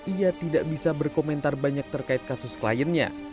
ia tidak bisa berkomentar banyak terkait kasus kliennya